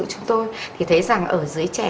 của chúng tôi thì thấy rằng ở dưới trẻ